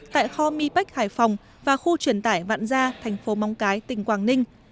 tại kho mi pách hải phòng và khu chuyển tải vạn gia thành phố mong cái tỉnh quảng ninh